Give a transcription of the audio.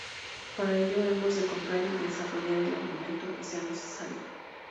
Para ello, hemos de comprar y desarrollar el armamento que sea necesario.